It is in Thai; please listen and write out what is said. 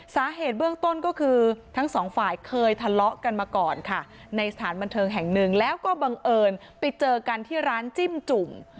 สาเหตุเบื้องต้นก็คือทั้งสองฝ่ายเคยทะเลาะกันมาก่อนค่ะในสถานบันเทิงแห่งหนึ่งแล้วก็บังเอิญไปเจอกันที่ร้านจิ้มจุ่ม